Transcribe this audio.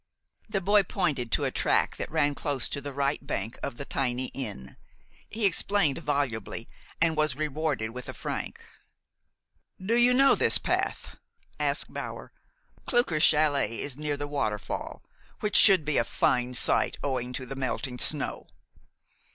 The boy pointed to a track that ran close to the right bank of the tiny Inn. He explained volubly, and was rewarded with a franc. "Do you know this path?" asked Bower. "Klucker's chalet is near the waterfall, which should be a fine sight owing to the melting snow."